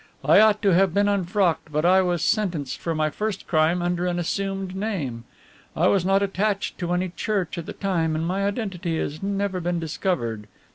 "I ought to have been unfrocked, but I was sentenced for my first crime under an assumed name. I was not attached to any church at the time and my identity has never been discovered. Mr.